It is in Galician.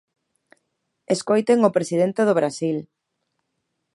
Escoiten o presidente do Brasil.